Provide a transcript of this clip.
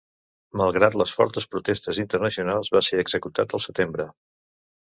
Malgrat les fortes protestes internacionals, va ser executat al setembre.